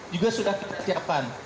juga sudah kita siapkan